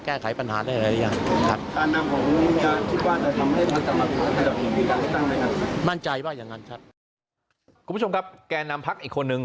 แก้ไขปัญหาได้หลายอย่างคุณผู้ชมครับแกนนำพักอีกคนนึง